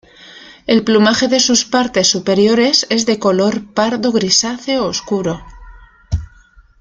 El plumaje de sus partes superiores es de color pardo grisáceo oscuro.